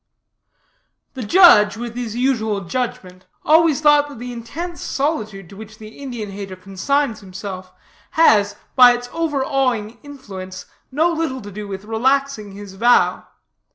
"The judge, with his usual judgment, always thought that the intense solitude to which the Indian hater consigns himself, has, by its overawing influence, no little to do with relaxing his vow.